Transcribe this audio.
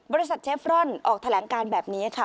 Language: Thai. บริษัทเชฟรอนด์ออกแถลงการแบบนี้ค่ะ